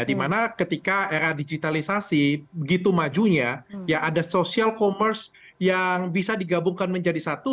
dimana ketika era digitalisasi begitu majunya ya ada social commerce yang bisa digabungkan menjadi satu